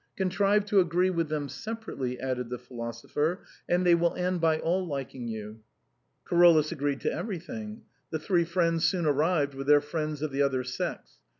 Contrive to agree with them separately," added the philosopher, " and they will end by all liking you." Carolus agreed to everything. The three friends soon arrived with their friends of the other sex.